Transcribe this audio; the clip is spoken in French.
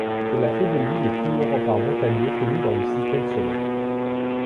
Cela fait de lui le plus haut rempart montagneux connu dans le système solaire.